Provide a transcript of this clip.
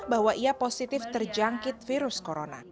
bahwa ia positif terjangkit virus corona